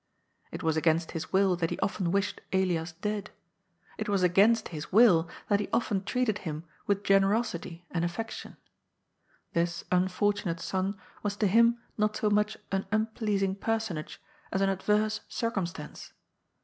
It was against his will that he often wished Elias dead ; it was against his will that he often treated him with generosity and affection. This unfortunate son was to him not so much an unpleasing personage as an adverse circumstance.